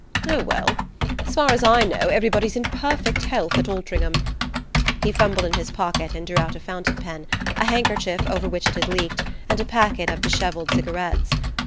"Oh, well: as far as I know, everybody's in perfect health at Altringham." He fumbled in his pocket and drew out a fountain pen, a handkerchief over which it had leaked, and a packet of dishevelled cigarettes.